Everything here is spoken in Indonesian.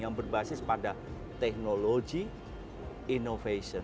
yang berbasis pada teknologi innovation